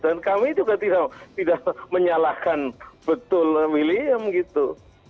dan kami juga tidak menyalahkan betul william gitu